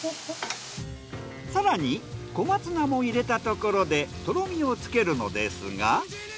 更に小松菜も入れたところでとろみをつけるのですが。